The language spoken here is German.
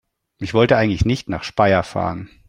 Ich wollte eigentlich nicht nach Speyer fahren